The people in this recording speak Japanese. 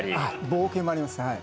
冒険もありますはい。